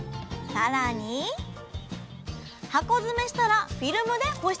更に箱詰めしたらフィルムで保湿。